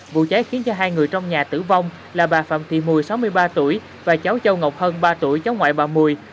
vụ cháy khiến cho hai người trong nhà tử vong là bà phạm thị mùi sáu mươi ba tuổi và cháu châu ngọc hân ba tuổi cháu ngoại bà mùi